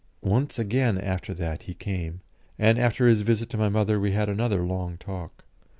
Once again after that he came, and after his visit to my mother we had another long talk.